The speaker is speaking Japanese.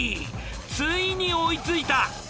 ついに追いついた。